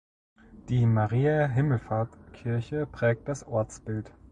Die Mariä-Himmelfahrt-Kirche prägt das Ortsbild.